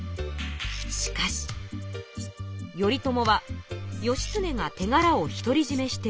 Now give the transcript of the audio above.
しかし頼朝は義経がてがらを独りじめしている。